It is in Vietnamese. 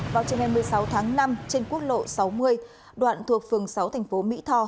vào trường ngày một mươi sáu tháng năm trên quốc lộ sáu mươi đoạn thuộc phường sáu thành phố mỹ tho